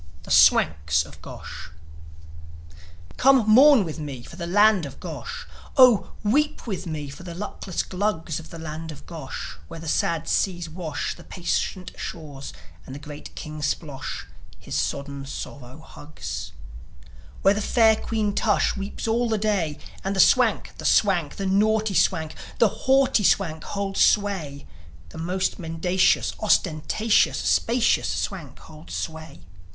THE SWANKS OF GOSH Come mourn with me for the land of Gosh, Oh, weep with me for the luckless Glugs Of the land of Gosh, where the sad seas wash The patient shores, and the great King Splosh His sodden sorrow hugs; Where the fair Queen Tush weeps all the day, And the Swank, the Swank, the naughty Swank, The haughty Swank holds sway The most mendacious, ostentatious, Spacious Swank holds sway.